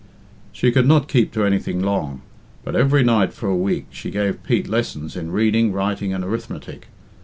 She could not keep to anything long, but every night for a week she gave Pete lessons in reading, writing, and arithmetic.